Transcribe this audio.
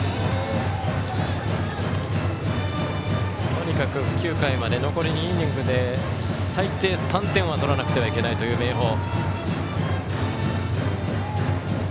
とにかく９回まで残り２イニングで最低３点を取らなくてはいけないという明豊。